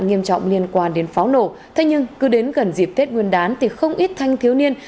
nghiêm trọng liên quan đến pháo nổ thế nhưng cứ đến gần dịp tết nguyên đán thì không ít thanh thiếu niên